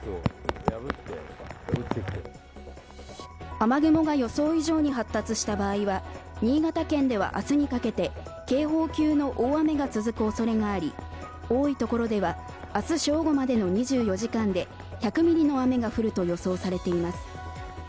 雨雲が予想以上に発達した場合は、新潟県は明日にかけて警報級の大雨が続くおそれがあり、多いところでは明日正午までの２４時間で１００ミリの雨が降ると予想されています。